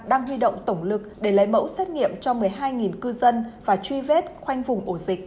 đang huy động tổng lực để lấy mẫu xét nghiệm cho một mươi hai cư dân và truy vết khoanh vùng ổ dịch